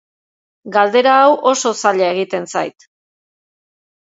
Galdera hau oso zaila egiten zait.